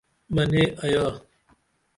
منےایا!